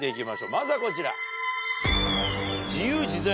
まずはこちら。